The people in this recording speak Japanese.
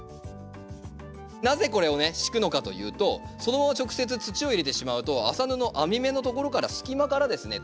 なぜこれをね敷くのかというとそのまま直接土を入れてしまうと麻布編み目のところから隙間からですね